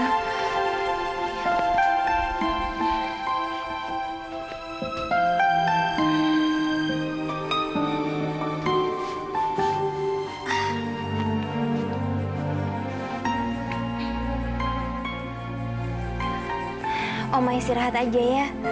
mama istirahat saja ya